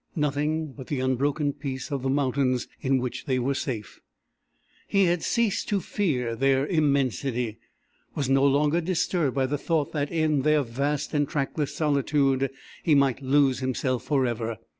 Nothing but the unbroken peace of the mountains, in which they were safe. He had ceased to fear their immensity was no longer disturbed by the thought that in their vast and trackless solitude he might lose himself forever.